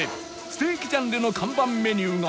ステーキジャンルの看板メニューが